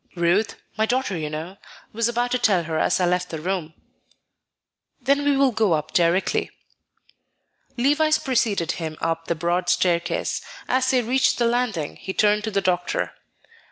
"Ruth my daughter, you know was about to tell her as I left the room." "Then we will go up directly." Levice preceded him up the broad staircase. As they reached the landing, he turned to the doctor.